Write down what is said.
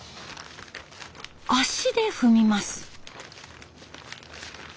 足で踏みます。